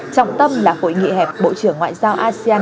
trọng tâm là hội nghị hẹp bộ trưởng ngoại giao asean